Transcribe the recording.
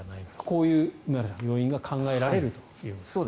こういう梅原さん、要因が考えられるということですね。